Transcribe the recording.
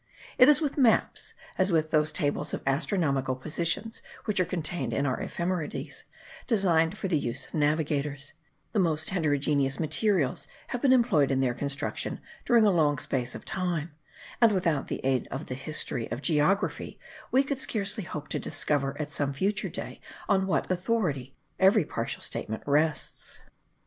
It is with maps, as with those tables of astronomical positions which are contained in our ephemerides, designed for the use of navigators: the most heterogeneous materials have been employed in their construction during a long space of time; and, without the aid of the history of geography, we could scarcely hope to discover at some future day on what authority every partial statement rests.